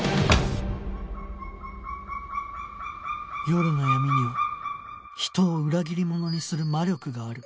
夜の闇には人を裏切り者にする魔力がある